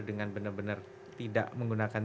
dengan benar benar tidak menggunakan